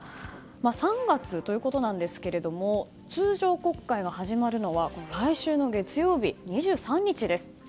３月ということなんですが通常国会が始まるのは来週の月曜日２３日です。